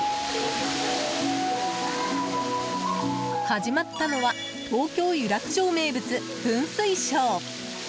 始まったのは東京湯楽城名物、噴水ショー。